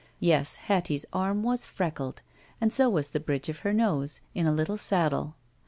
Yes, Hattie's arm was freckled, and so was the bridge of her nose, in a little saddle.